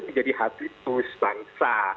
menjadi habitus bangsa